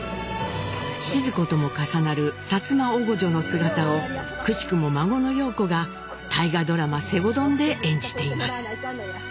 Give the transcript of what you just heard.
シヅ子とも重なる薩摩おごじょの姿をくしくも孫の陽子が大河ドラマ「西郷どん」で演じています。